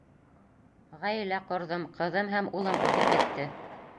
Ғаилә ҡорҙом, ҡыҙым һәм улым үҫеп етте.